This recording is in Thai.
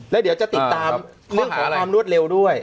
แล้วเดี๋ยวจะติดตามเรื่องของความรวดเร็วด้วย